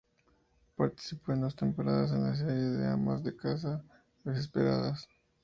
Participó en dos temporadas de la serie "Amas de casa desesperadas".